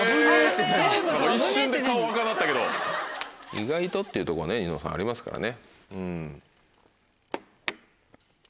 意外とっていうとこねニノさんありますからね。